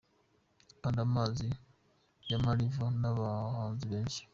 Kanda Amazi ya Ma-Riva n’abahanzi benshi:.